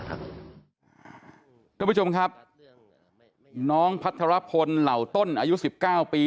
ท่านผู้ชมครับน้องพัทรพลเหล่าต้นอายุ๑๙ปี